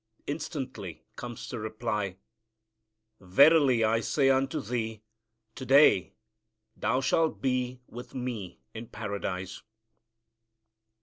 Instantly comes the reply, "Verily, I say unto thee, to day shalt thou be with Me in Paradise."